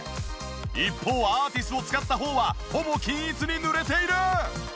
一方アーティスを使った方はほぼ均一に塗れている！